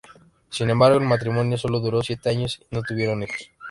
Sin embargo el matrimonio sólo duró siete años y no tuvieron hijos.